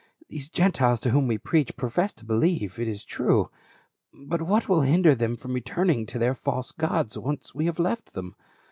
These Gentiles to whom we preach profess to believe, it is true, but what will hinder them from returning to their false gods, once we have left them